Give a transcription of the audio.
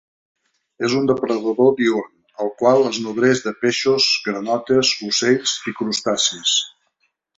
És un depredador diürn, el qual es nodreix de peixos, granotes, ocells i crustacis.